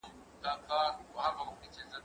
زه اوږده وخت سينه سپين کوم